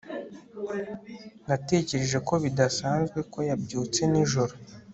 natekereje ko bidasanzwe ko yabyutse nijoro